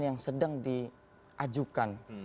yang sedang diajukan